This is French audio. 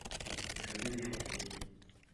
Je vais vérifier.